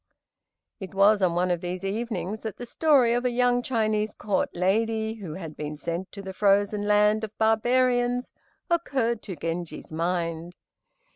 It was on one of these evenings that the story of a young Chinese Court lady, who had been sent to the frozen land of barbarians, occurred to Genji's mind.